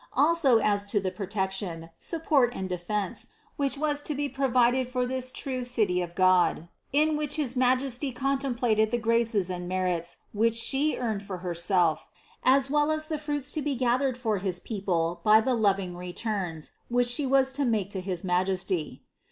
Also as to the protection, support and de fense, which was to be provided for this true City of God, in which his Majesty contemplated the graces and 58 CITY OF GOD merits, which She earned for Herself, as well as the fruits to be gathered for his people by the loving returns, which She was to make to his Majesty.